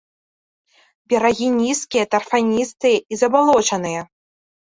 Берагі нізкія, тарфяністыя і забалочаныя.